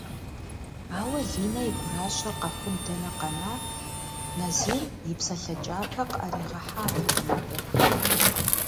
Ауэ Линэ и гуращэр къэхъун дэнэ къэна, Назир и псалъэ кӏапэ къыӏэригъэхьатэкъым абы.